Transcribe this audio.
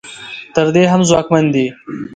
تر دې هم ځواکمن دي.